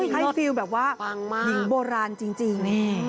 ฟิลแบบว่าหญิงโบราณจริง